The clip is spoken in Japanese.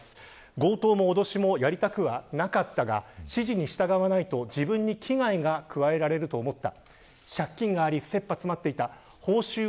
強盗も脅しもやりたくはなかったが指示に従わないと、自分に危害が加えられると思った。